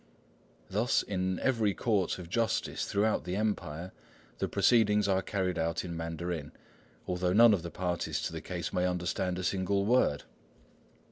Thus, in every court of justice throughout the Empire the proceedings are carried on in Mandarin, although none of the parties to the case may understand a single word.